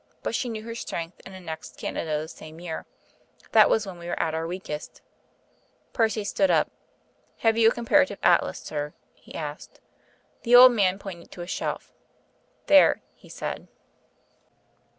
But she knew her strength and annexed Canada the same year. That was when we were at our weakest." Percy stood up. "Have you a Comparative Atlas, sir?" he asked. The old man pointed to a shelf. "There," he said.